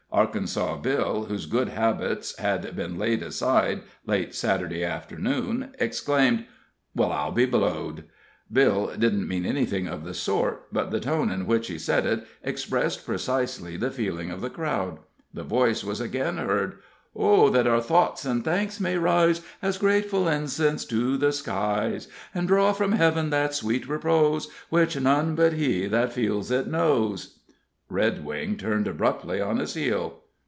Arkansas Bill, whose good habits had been laid aside late Saturday afternoon, exclaimed: "Well, I'll be blowed!" Bill didn't mean anything of the sort, but the tone in which he said it expressed precisely the feeling of the crowd. The voice was again heard: "Oh, that our thoughts and thanks may rise, As grateful incense to the skies; And draw from heaven that sweet repose Which none but he that feels it knows." Redwing turned abruptly on his heel.